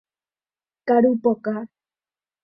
Karu pokã.